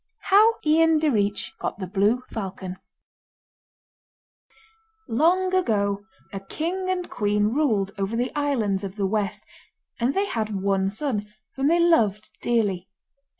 ] How Ian Direach Got the Blue Falcon Long ago a king and queen ruled over the islands of the west, and they had one son, whom they loved dearly.